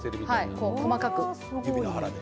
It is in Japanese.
細かく。